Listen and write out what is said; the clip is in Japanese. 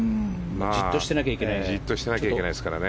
じっとしてなきゃいけないですからね。